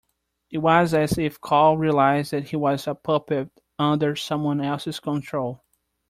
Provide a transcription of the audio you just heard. It was as if Carl realised that he was a puppet under someone else's control.